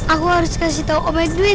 aku harus kasih tau om edwin